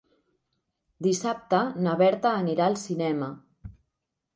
Dissabte na Berta anirà al cinema.